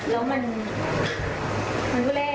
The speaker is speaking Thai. แล้วมันบูเล่